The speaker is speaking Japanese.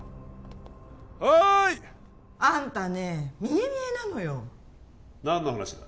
はーいあんたねえ見え見えなのよ何の話だ？